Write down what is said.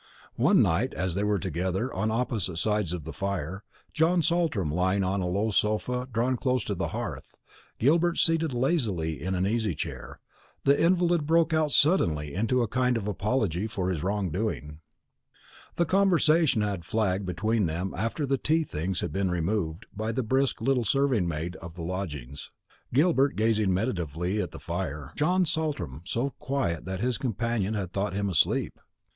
One night, as they were together on opposite sides of the fire, John Saltram lying on a low sofa drawn close to the hearth, Gilbert seated lazily in an easy chair, the invalid broke out suddenly into a kind of apology for his wrong doing. The conversation had flagged between them after the tea things had been removed by the brisk little serving maid of the lodgings; Gilbert gazing meditatively at the fire, John Saltram so quiet that his companion had thought him asleep.